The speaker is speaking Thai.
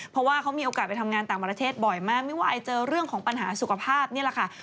เพราะว่าเขามีโอกาสไปทำงานต่างประเทศบ่อยมากไม่ว่าไอเจอเรื่องของปัญหาสุขภาพนี่แหละค่ะ